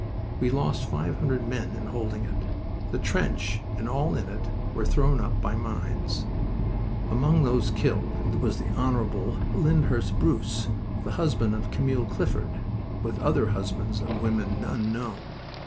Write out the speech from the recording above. We lost five hundred men in holding it. The trench and all in it were thrown up by mines. Among those killed was the Hon. Lyndhurst Bruce, the husband of Camille Clifford, with other husbands of women unknown.